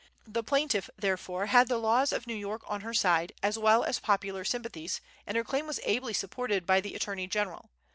The plaintiff therefore had the laws of New York on her side, as well as popular sympathies; and her claim was ably supported by the attorney general.